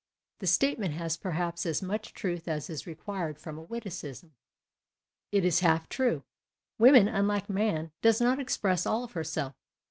The statement has perhaps as much truth as is required from a wittieism ; it is half true. Woman, unhke man, does not express all of herself.